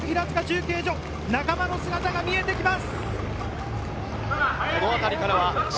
仲間の姿が見えてきます。